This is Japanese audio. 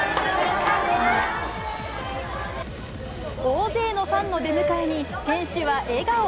大勢のファンの出迎えに、選手は笑顔。